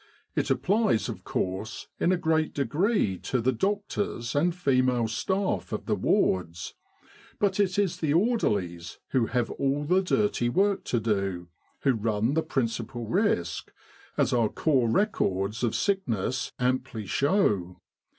It applies of course in a great degree to the doctors and female staff of the wards; but it is the orderlies, who have all the dirty work to do, who run the principal risk, as 243 With the R.A.M.C. in Egypt our Corps Records of sickness amply show.